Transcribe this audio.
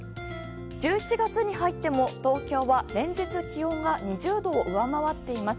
１１月に入っても、東京は連日気温が２０度を上回っています。